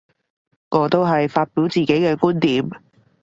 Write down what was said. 我都係發表自己嘅觀點